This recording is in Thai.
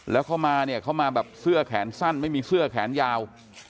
แล้วเขามาเนี่ยเขามาแบบเสื้อแขนสั้นไม่มีเสื้อแขนยาว